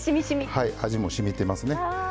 味もしみてますね。